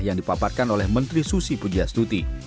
yang dipaparkan oleh menteri susi pujias tuti